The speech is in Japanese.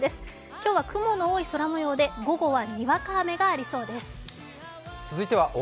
今日は雲の多い空もようで午後はにわか雨がありそうです。